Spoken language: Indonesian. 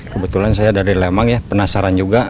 kebetulan saya dari lemang ya penasaran juga